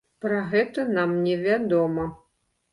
Пра гэта нам невядома.